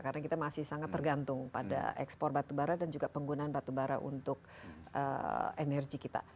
karena kita masih sangat tergantung pada ekspor batubara dan juga penggunaan batubara untuk energi kita